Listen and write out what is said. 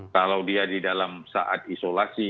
kalau dia di dalam saat isolasi